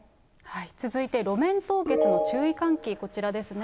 続いて路面凍結の注意喚起、こちらですね。